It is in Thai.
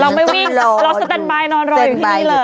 ลองไปวิ่งลองสเต็นไบน์นอนรอยอยู่ที่นี่เลย